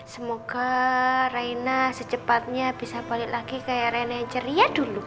semoga rena secepatnya bisa balik lagi kayak rena yang ceria dulu